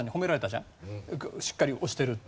しっかり押してるって。